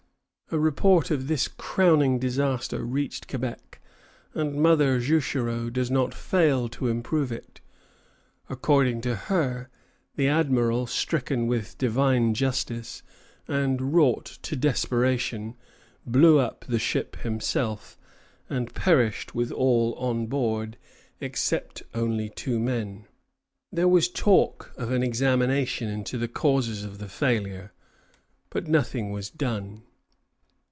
A report of this crowning disaster reached Quebec, and Mother Juchereau does not fail to improve it. According to her, the Admiral, stricken with divine justice, and wrought to desperation, blew up the ship himself, and perished with all on board, except only two men. There was talk of an examination into the causes of the failure, but nothing was done.